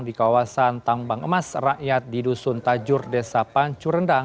di kawasan tambang emas rakyat di dusun tajur desa pancu rendang